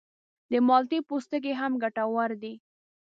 د مالټې پوستکی هم ګټور دی.